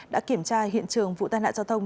đã kiểm tra hiện trường vụ tai nạn giao thông